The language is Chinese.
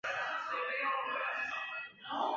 卒年四十九。